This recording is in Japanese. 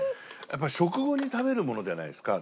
やっぱり食後に食べるものじゃないですか。